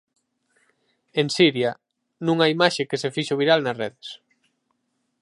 En Siria, nunha imaxe que se fixo viral nas redes.